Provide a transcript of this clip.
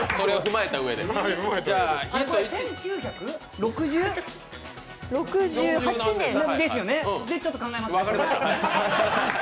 １９６０ですよね、ちょっと考えます。